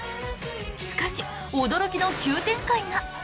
しかし、驚きの急展開が！